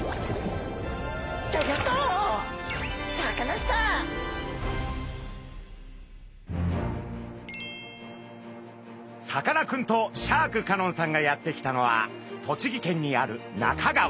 さかなクンとシャーク香音さんがやって来たのは栃木県にある那珂川。